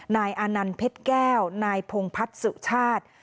นายอานันเพชรแก้วนายพงภัศจิชาติ